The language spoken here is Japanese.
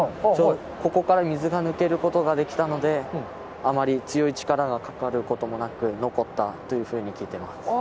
ちょうどここから水が抜けることができたので、あまり強い力がかかることもなく、残ったというふうに聞いてます。